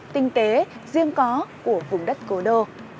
tinh tế riêng có của vùng đất cổ đô